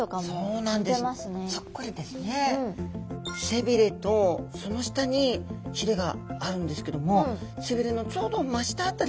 背びれとその下にひれがあるんですけども背びれのちょうど真下辺りにあるひれ